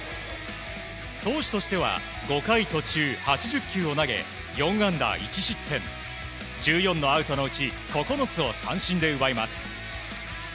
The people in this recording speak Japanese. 投手としては５回途中８０球を投げ４安打１失点１４のアウトのうち９つを三振で奪います。